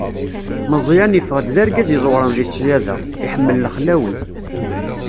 Meẓyan yeffeɣ-d d argaz iẓewren di ṣṣyada, iḥemmel lexlawi.